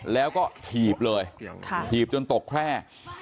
แล้วก็ถีบเลยถีบจนตกแคร่